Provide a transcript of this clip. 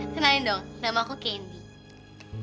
kenalin dong nama aku candy